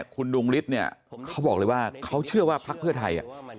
คุณดวงฤทธิ์เนี่ยเขาบอกเลยว่าเขาเชื่อว่าพักเพื่อไทย